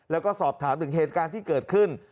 แล้วก็สอบถามถึงเหตุการณ์ที่เกิดขึ้น